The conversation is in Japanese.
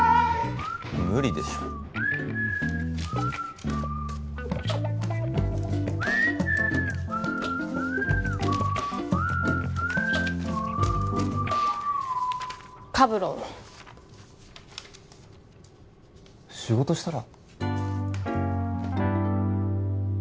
無理でしょカブロン仕事したら？